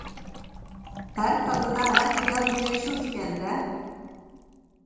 ھەر كاللىدا ھەر خىيال دېگەن شۇ ئىكەندە.